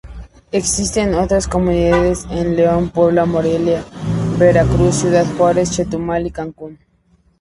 Existen otras comunidades en León, Puebla, Morelia, Veracruz, Ciudad Juárez, Chetumal y Cancún.